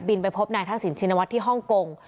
บินไปพบนายทางสินชินวัตรที่ฮ่องกง